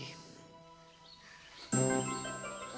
aku pengen candy